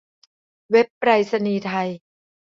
เว็บไปรษณีย์ไทย